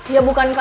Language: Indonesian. ya bukan karena